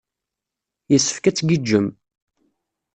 Yessefk ad tgiǧǧem.